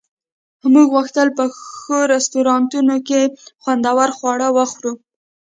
موږ غوښتل په ښو رستورانتونو کې خوندور خواړه وخورو